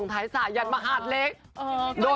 ใช้ต้นือกบอร์ต